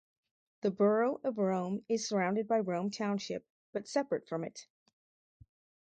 The borough of Rome is surrounded by Rome Township but separate from it.